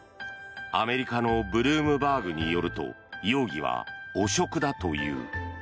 アメリカのブルームバーグによると容疑は汚職だという。